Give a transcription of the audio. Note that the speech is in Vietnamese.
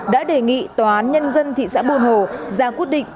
đã đề nghị tòa án nhân dân thị xã buôn hồ ra quyết định